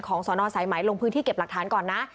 สนสายไหมลงพื้นที่เก็บหลักฐานก่อนนะ